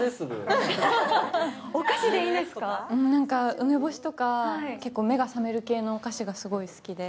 梅干しとか、結構目が覚める系のお菓子が好きで。